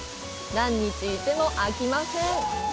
何日いても飽きません！